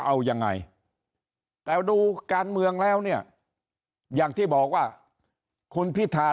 เอายังไงแต่ดูการเมืองแล้วเนี่ยอย่างที่บอกว่าคุณพิธา